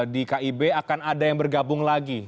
di kib akan ada yang bergabung lagi